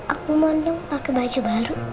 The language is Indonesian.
aku mau nung pake baju baru